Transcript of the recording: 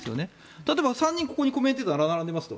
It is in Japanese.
例えば、３人ここにコメンテーターが並んでいますと。